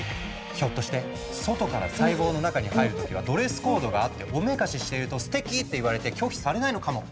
ひょっとして外から細胞の中に入る時はドレスコードがあっておめかししているとすてきって言われて拒否されないのかも。